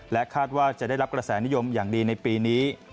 คาดว่าจะได้รับกระแสนิยมอย่างดีในปีนี้